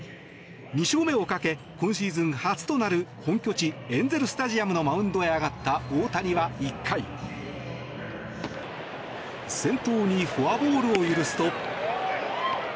２勝目をかけ今シーズン初となる本拠地エンゼル・スタジアムのマウンドへ上がった大谷は１回先頭にフォアボールを許すと。